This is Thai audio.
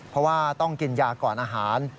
เพราะว่าต้องกินยาก่อนอาหาร